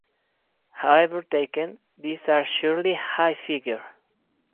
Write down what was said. However taken, these are surely 'high' figure.